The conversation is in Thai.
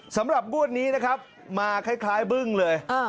สำหรับบวชนี้นะครับมาคล้ายบึ้งเลย